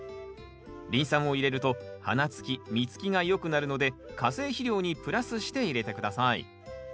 リン酸を入れると花つき実つきがよくなるので化成肥料にプラスして入れて下さい。